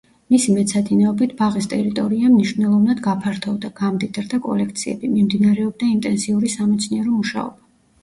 მისი მეცადინეობით ბაღის ტერიტორია მნიშვნელოვნად გაფართოვდა, გამდიდრდა კოლექციები; მიმდინარეობდა ინტენსიური სამეცნიერო მუშაობა.